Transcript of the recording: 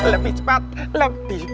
lebih cepat lebih baik